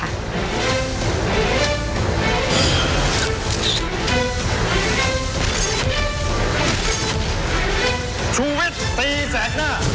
ไม่ต้องการ